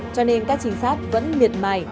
cho nên các trinh sát vẫn miệt mặt